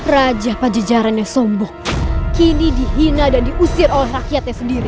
raja pajajaranya sombong kini dihina dan diusir oleh rakyatnya sendiri